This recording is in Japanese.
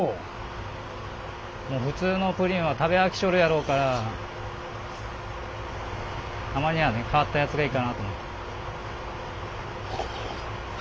もう普通のプリンは食べ飽きちょるやろうからたまにはね変わったやつがいいかなと思って。